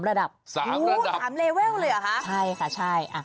๓ระดับ๓เลเวลเลยเหรอคะ